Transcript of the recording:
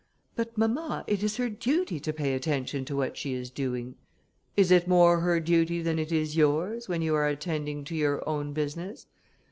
"But, mamma, it is her duty to pay attention to what she is doing." "Is it more her duty than it is yours, when you are attending to your own business?